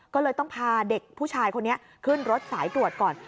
ก็เลยต้องพาเด็กผู้ชายคนนี้ขึ้นรถสายตรวจก่อน